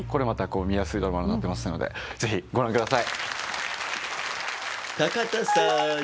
見やすいドラマになってますのでぜひご覧ください。